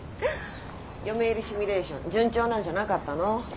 嫁入りシミュレーション順調なんじゃなかったの？